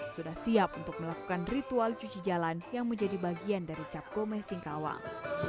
sudah siap untuk melakukan ritual cuci jalan yang menjadi bagian dari cap gomeh singkawang